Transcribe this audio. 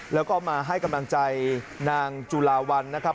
แล้วก็มาให้กำลังใจนางจุลาวันนะครับ